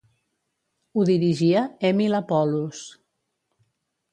Ho dirigia Emil Appolus.